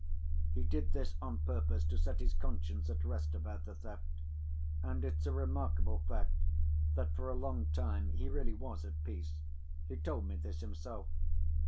He did this on purpose to set his conscience at rest about the theft, and it's a remarkable fact that for a long time he really was at peace—he told me this himself.